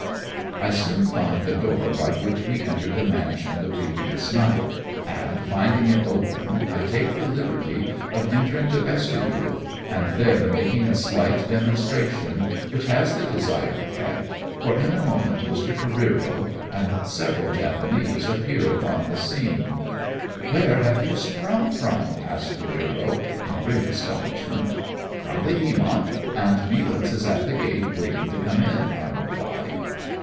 I soon find the door by which we entered the mansion the previous night, and, finding it open, I take NE A LANCE AND I VISIT THE SHORE. 153 the liberty of entering the vestibule, and_there making a slight demonstration, which has the desired effect, for in a moment Mr. Careero and several Japanese appear upon the scene. " Where have you sprung from ?" asks Careero in great astonishment. " From the Eamont, and Nealance is at the gate waiting to come in/' I reply.